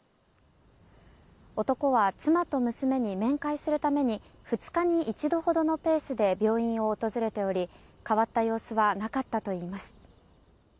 男は妻と娘に面会するために２日に一度ほどのペースで病院を訪れており変わった様子はなかったといいます。